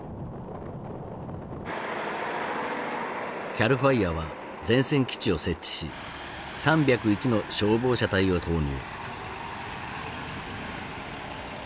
ＣＡＬＦＩＲＥは前線基地を設置し３０１の消防車隊を投入。